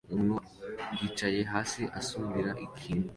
Umugabo yicaye hasi asudira ikintu